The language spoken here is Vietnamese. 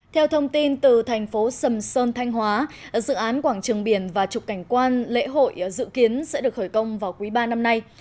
theo thông tin từ thành phố sầm sơn thanh hóa dự án quảng trường biển và trục cảnh quan lễ hội dự kiến sẽ được khởi công vào quý ba năm nay